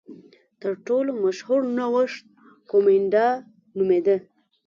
تر ټولو مشهور نوښت کومېنډا نومېده.